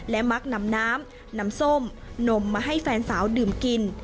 และมักนำน้ำนำส้มนมมาให้แฟนสาวดื่มกิน